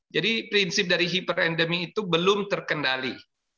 jadi prinsip dari hyperendemik itu belum terkendali